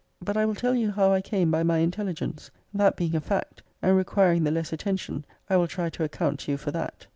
But I will tell you how I came by my intelli >>> gence. That being a fact, and requiring the less attention, I will try to account to you for that.